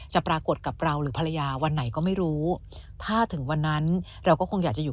ปรากฏกับเราหรือภรรยาวันไหนก็ไม่รู้ถ้าถึงวันนั้นเราก็คงอยากจะอยู่